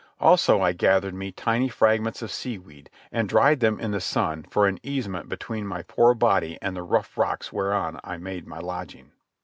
Also I gathered me tiny fragments of seaweed and dried them in the sun for an easement between my poor body and the rough rocks whereon I made my lodging.